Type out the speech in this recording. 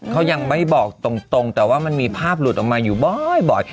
เขายังไม่บอกตรงแต่ว่ามันมีภาพหลุดออกมาอยู่บ่อย